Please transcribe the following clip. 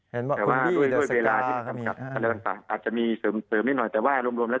แต่ว่าด้วยเวลาอาจจะมีเสริมนิดหน่อยแต่ว่ารวมแล้ว